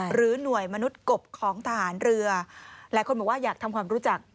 หรือหน่วยมนุษย์กบของทหารเรือหลายคนบอกว่าอยากทำความรู้จัก